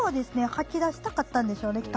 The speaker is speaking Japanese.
吐き出したかったんでしょうねきっと。